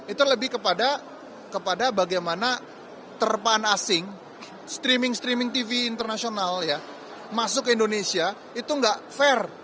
itu lebih kepada bagaimana terpaan asing streaming streaming tv internasional ya masuk ke indonesia itu nggak fair